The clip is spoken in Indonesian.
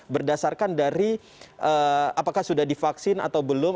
berdasarkan dari apakah sudah divaksin atau belum